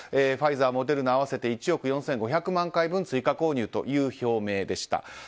ファイザー、モデルナ合わせて１億４５００万回分追加購入という表明でした。